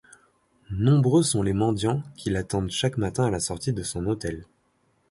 Nombreux sont les mendiants qui l'attendent chaque matin à la sortie de son hôtel.